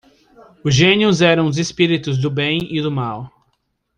Os gênios eram os espíritos do bem e do mal.